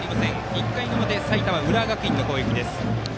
１回の表、埼玉・浦和学院の攻撃。